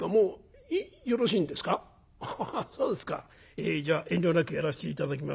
えじゃあ遠慮なくやらせて頂きます。